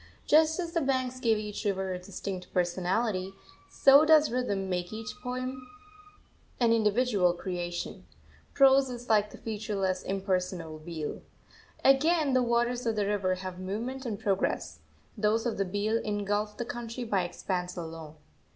Just as the banks give each river a distinct personality, so does rhythm make each poem an individual creation; prose is like the featureless, impersonal beel. Again, the waters of the river have movement and progress; those of the beel engulf the country by expanse alone.